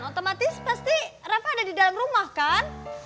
otomatis pasti rafa ada di dalam rumah kan